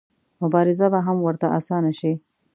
مبارزه به هم ورته اسانه شي.